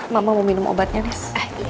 mama mau minum obatnya nih